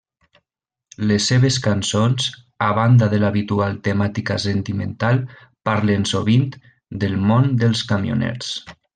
Les seves cançons, a banda de l'habitual temàtica sentimental, parlen sovint del món dels camioners.